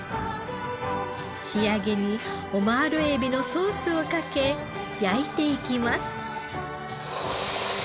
仕上げにオマール海老のソースをかけ焼いていきます。